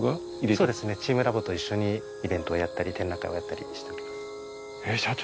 そうですねチームラボと一緒にイベントをやったり展覧会をやったりしております。